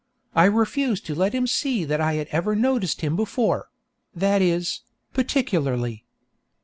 I refused to let him see that I had ever noticed him before that is, particularly.